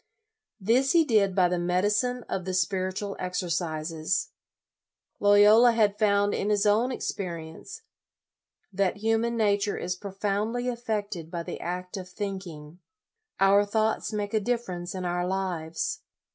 This he did by the medicine of the Spiritual Exercises. Loyola had found in his own experience that human nature is profoundly affected by the act of think ing. Our thoughts make a difference in our lives.